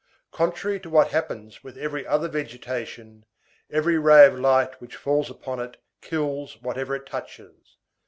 Contrary to what happens with every other vegetation, every ray of light which falls upon it kills whatever it touches.